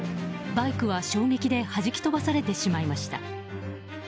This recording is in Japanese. バイクは衝撃ではじき飛ばされてしまいました。